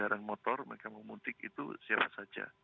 jalan motor mereka memutik itu siapa saja